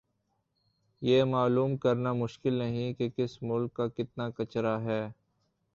یہ معلوم کرنا مشکل نہیں کہ کس ملک کا کتنا کچرا ھے